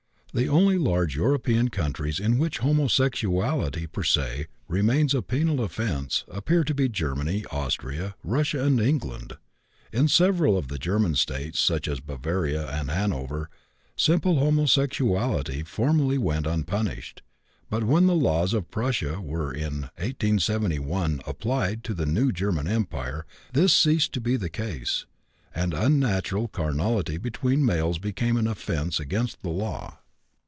The only large European countries in which homosexuality per se remains a penal offense appear to be Germany, Austria, Russia, and England. In several of the German States, such as Bavaria and Hanover, simple homosexuality formerly went unpunished, but when the laws of Prussia were in 1871 applied to the new German Empire this ceased to be the case, and unnatural carnality between males became an offense against the law.